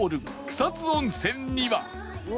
草津温泉には